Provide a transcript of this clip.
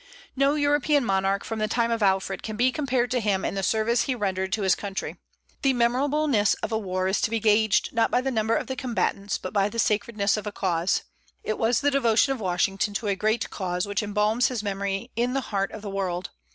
No European monarch from the time of Alfred can be compared to him in the service he rendered to his country. The memorableness of a war is to be gauged not by the number of the combatants, but by the sacredness of a cause. It was the devotion of Washington to a great cause which embalms his memory in the heart of the world.